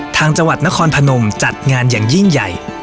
จังหวัดนครพนมจัดงานอย่างยิ่งใหญ่